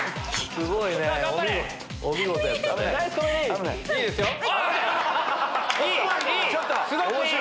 すごくいい！